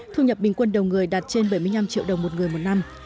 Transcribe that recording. thu nhập bình quân đầu người đạt trên bảy mươi năm triệu đồng một người một năm